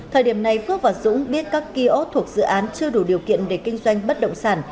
thời điểm này phước và dũng biết các kiosk thuộc dự án chưa đủ điều kiện để kinh doanh bất động sản